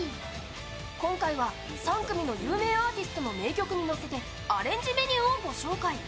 今回は３組の有名アーティストの名曲に乗せてアレンジメニューをご紹介。